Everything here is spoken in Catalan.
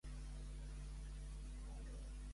Quin tipus de criatura apareix a l'Himne a Delos?